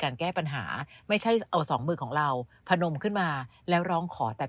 แก้ปัญหาไม่ใช่เอาสองมือของเราพนมขึ้นมาแล้วร้องขอแต่